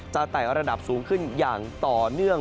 ไต่ระดับสูงขึ้นอย่างต่อเนื่อง